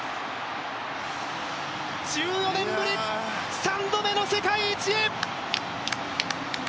１４年ぶり、３度目の世界一へ！